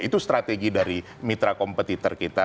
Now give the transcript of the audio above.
itu strategi dari mitra kompetitor kita